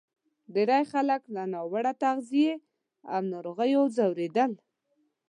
ډېری خلک له ناوړه تغذیې او ناروغیو ځورېدل.